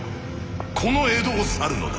この江戸を去るのだ。